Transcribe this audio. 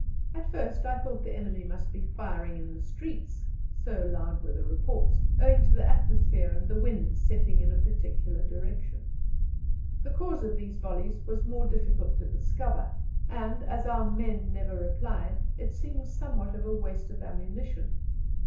At first I thought the enemy must be firing in the streets, so loud were the reports, owing to the atmosphere and the wind setting in a particular direction. The cause of these volleys was more difficult to discover, and, as our men never replied, it seemed somewhat of a waste of ammunition.